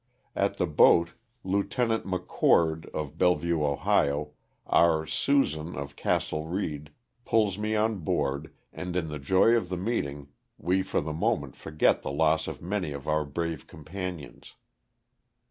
At the boat Lieut. Mc Oord, of Bellevue, 0, our ''Susan" of Castle Reed — pulls me on board, and in the joy of the meeting we for the moment forget the loss of many of our brave companions.